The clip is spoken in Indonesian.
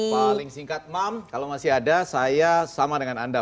paling singkat mam kalau masih ada saya sama dengan anda